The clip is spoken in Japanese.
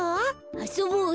あそぼうよ。